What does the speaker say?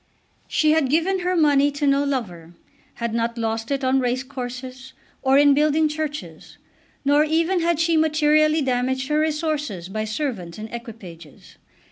She had given her money to no lover, had not lost it on race courses, or in building churches; nor even had she materially damaged her resources by servants and equipages.